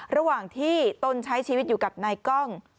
ระหว่างที่ตนใช้ชีวิตอยู่กับนายกล้อง